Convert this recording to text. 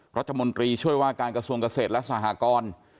รัฐมนตรีช่วยว่าการกระทรวงเกษตรและสหกร